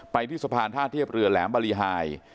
ที่สะพานท่าเทียบเรือแหลมบริหาย